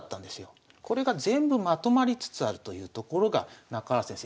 これが全部まとまりつつあるというところが中原先生